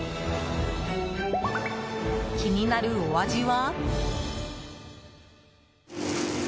気になるお味は？